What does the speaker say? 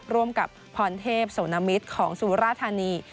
ร่วมกับพรเทพโสนมิตรของสุราธานี